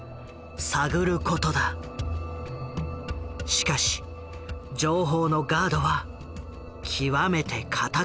しかし情報のガードは極めて堅かった。